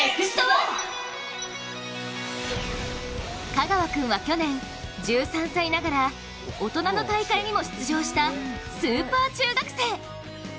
香川君は去年、１３歳ながら大人の大会にも出場したスーパー中学生。